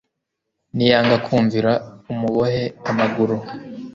niyanga kumvira umubohe amaguru